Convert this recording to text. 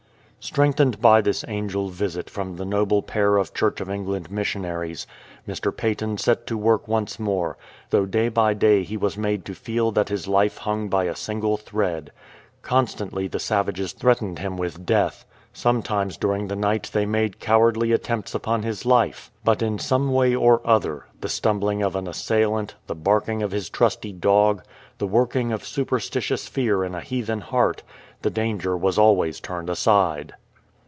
"" Strengthened by this angel visit from the noble pair of Church of England missionaries, Mr. Paton set to work once more, though day by day he was made to feel that his life hung by a single thread. Constantly the savages threatened him with death ; sometimes during the night they made cowardly attempts upon his life. But in some way or other — the stumbling of an assailant, the barking of his trusty dog, the working of superstitious fear in a heathen heart — the danger was always turned aside.